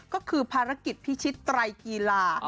ก็คือภารกิจพิชิตไตรกีฬา